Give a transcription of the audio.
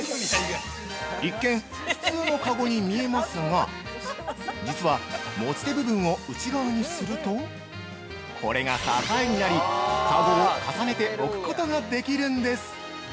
◆一見、普通のかごに見えますが実は、持ち手部分を内側にするとこれが支えになりかごを重ねて置くことができるんです！